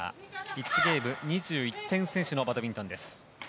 １ゲーム２１点先取のバドミントン。